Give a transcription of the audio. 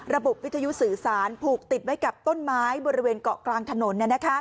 วิทยุสื่อสารผูกติดไว้กับต้นไม้บริเวณเกาะกลางถนน